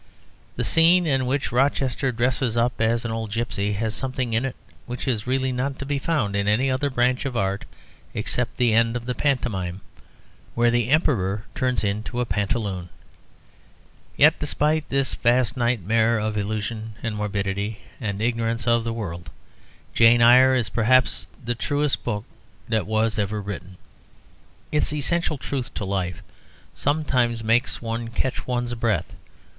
The scene in which Rochester dresses up as an old gipsy has something in it which is really not to be found in any other branch of art, except in the end of the pantomime, where the Emperor turns into a pantaloon. Yet, despite this vast nightmare of illusion and morbidity and ignorance of the world, "Jane Eyre" is perhaps the truest book that was ever written. Its essential truth to life sometimes makes one catch one's breath.